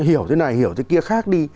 hiểu thế này hiểu thế kia khác đi